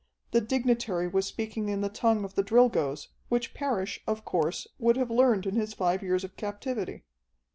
The dignitary was speaking in the tongue of the Drilgoes, which Parrish, of course, would have learned in his five years of captivity.